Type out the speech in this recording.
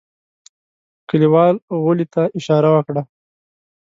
کليوال غولي ته اشاره وکړه.